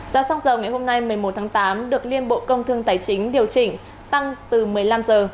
giá xăng dầu ngày hôm nay một mươi một tháng tám được liên bộ công thương tài chính điều chỉnh tăng từ một mươi năm giờ